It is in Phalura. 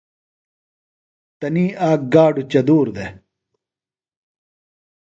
تنی آک گاڈُوۡ چدُور دےۡ۔